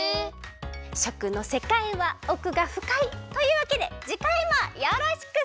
食のせかいはおくがふかい！というわけでじかいもよろしく！